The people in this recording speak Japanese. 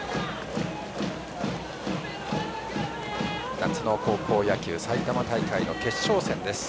夏の高校野球埼玉大会の決勝戦です。